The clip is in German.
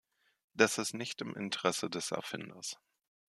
Das ist nicht im Interesse des Erfinders.